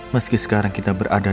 meski sekarang kita berada